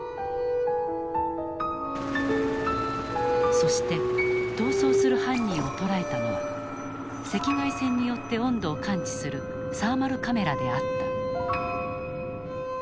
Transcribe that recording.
そして逃走する犯人を捉えたのは赤外線によって温度を感知するサーマルカメラであった。